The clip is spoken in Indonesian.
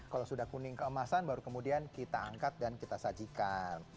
kalau sudah kuning keemasan baru kemudian kita angkat dan kita sajikan